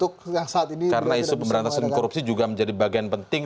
karena isu pemberantasan korupsi juga menjadi bagian penting